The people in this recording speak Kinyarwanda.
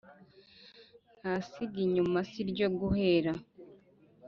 ntasiga inyuma si iryo guhera